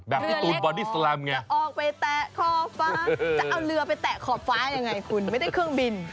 พี่ตูนบอดี้แลมไงออกไปแตะขอบฟ้าจะเอาเรือไปแตะขอบฟ้ายังไงคุณไม่ได้เครื่องบิน